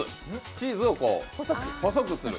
チーズを細くする。